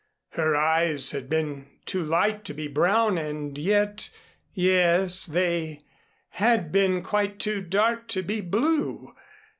Her eyes had been too light to be brown and yet yes, they had been quite too dark to be blue.